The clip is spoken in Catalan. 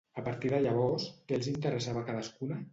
A partir de llavors, què els interessava a cadascuna?